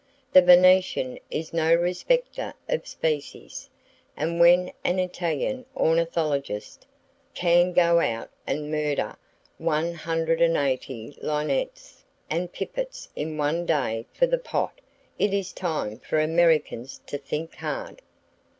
The Venetian is no respecter of species; and when an Italian "ornithologist" (!) can go out and murder 180 linnets and pipits in one day for the pot, it is time for Americans to think hard.